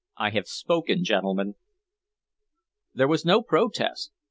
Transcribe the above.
I have spoken, gentlemen." There was no protest.